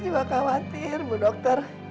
juga khawatir bu dokter